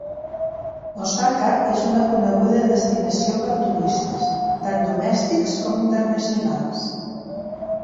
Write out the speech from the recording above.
Osaka és una coneguda destinació per turistes, tant domèstics com internacionals.